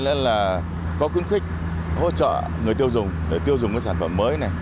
nên là có khuyến khích hỗ trợ người tiêu dùng để tiêu dùng cái sản phẩm mới này